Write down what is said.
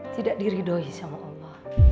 tidak diridohi sama allah